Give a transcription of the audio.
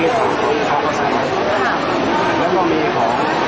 อาหรับเชี่ยวจามันไม่มีควรหยุด